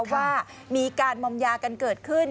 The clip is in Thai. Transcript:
ว่ามีการมอมยากันเกิดขึ้น